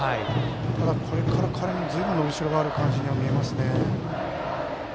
ただ、これからずいぶん伸びしろがある感じに見えますね。